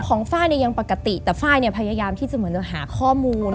ไฟล์เนี่ยยังปกติแต่ไฟล์เนี่ยพยายามที่จะเหมือนจะหาข้อมูล